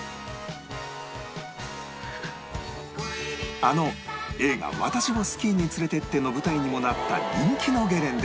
あの映画『私をスキーに連れてって』の舞台にもなった人気のゲレンデ